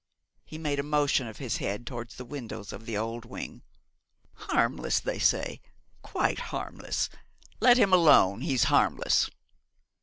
He made a motion of his head towards the windows of the old wing '"Harmless," they say, "quite harmless. Let him alone, he's harmless."